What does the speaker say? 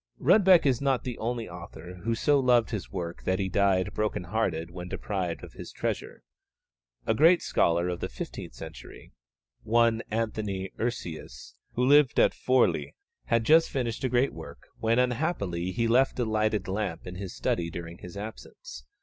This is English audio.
Rudbeck is not the only author who so loved his work that he died broken hearted when deprived of his treasure. A great scholar of the fifteenth century, one Anthony Urseus, who lived at Forli, had just finished a great work, when unhappily he left a lighted lamp in his study during his absence.